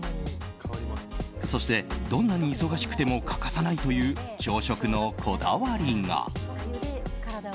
そして、どんなに忙しくても欠かさないという朝食のこだわりが。